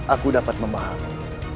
aku dapat memahami